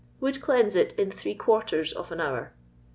would cleanse it in three quarters of an hour.